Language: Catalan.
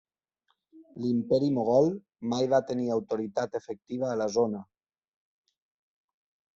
L'Imperi Mogol mai va tenir autoritat efectiva a la zona.